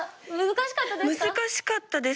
難しかったです。